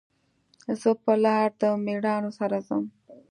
زه به په لار د میړانو سره ځم